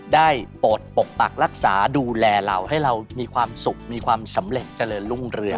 ได้โปรดปกปักรักษาดูแลเราให้เรามีความสุขมีความสำเร็จเจริญรุ่งเรือง